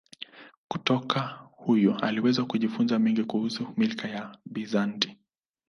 Kutoka huyu aliweza kujifunza mengi kuhusu milki ya Bizanti.